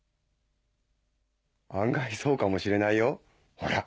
案外そうかもしれないよほら。